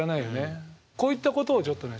こういったことをちょっとね